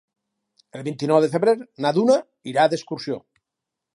El vint-i-nou de febrer na Duna irà d'excursió.